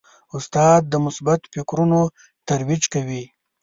استاد د مثبت فکرونو ترویج کوي.